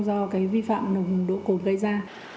do vi phạm nồng độ cồn gây ra